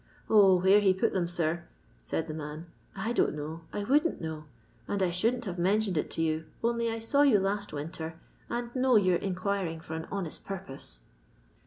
0, where he put them, sir," said the man, " I don't know, I wouldn't know ; and I shouldn't have mentioned it to you, only I saw you last winter and know you're in quiring for an honest purpose."